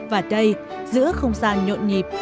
và đây giữa không gian nhộn nhịp